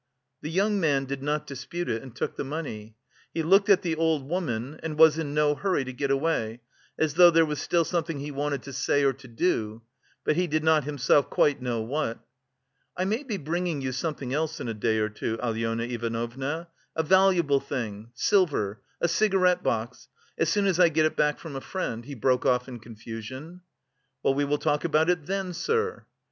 The young man did not dispute it and took the money. He looked at the old woman, and was in no hurry to get away, as though there was still something he wanted to say or to do, but he did not himself quite know what. "I may be bringing you something else in a day or two, Alyona Ivanovna a valuable thing silver a cigarette box, as soon as I get it back from a friend..." he broke off in confusion. "Well, we will talk about it then, sir."